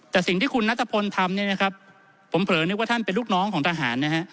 แต่สิ่งที่คุณนัตตะพลทำผมเผลอนึกว่าท่านเป็นลูกน้องของทหาร